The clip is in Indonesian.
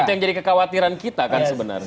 itu yang jadi kekhawatiran kita kan sebenarnya